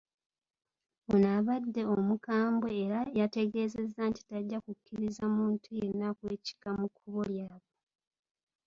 Ono abadde omukambwe era yategeezezza nti tajja kukkiriza muntu yenna kwekiika mu kkubo lyabwe.